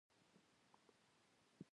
• واده د عقل مندانو کار دی.